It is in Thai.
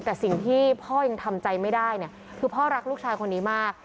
แต่สิ่งที่พ่อยังทำใจไม่ได้เนี่ยคือพ่อรักลูกชายคนนี้มาก